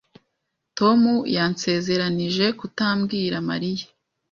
Tom yansezeranije kutabwira Mariya.